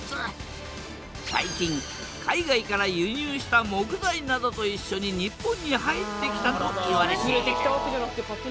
最近海外から輸入した木材などといっしょに日本に入ってきたといわれている。